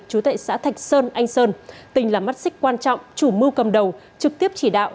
chú tệ xã thạch sơn anh sơn từng là mắt xích quan trọng chủ mưu cầm đầu trực tiếp chỉ đạo